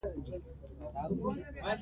مزارشریف د افغانستان د طبیعت برخه ده.